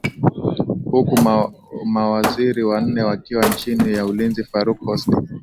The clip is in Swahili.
huku mawaziri wanne wakiwa chini ya ulinzi faruk hosni